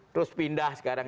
terus pindah sekarang